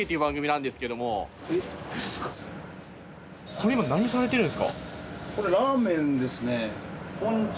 これ今何されてるんですか？